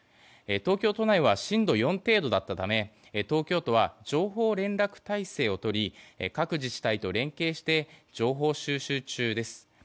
東京都内は震度４程度だったため東京都は情報連絡態勢をとり各自治体と連携して情報収集中です。